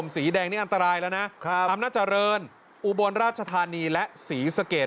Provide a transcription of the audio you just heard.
สีแดงนี่อันตรายแล้วนะอำนาจริงอุบลราชธานีและศรีสะเกด